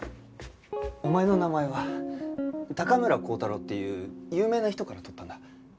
お前の名前は高村光太郎っていう有名な人から取ったんだ。